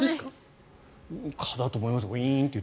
蚊だと思います。